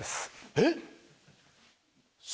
えっ